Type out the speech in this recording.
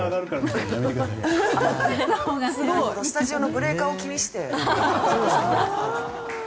スタジオのブレーカーを気にしてね。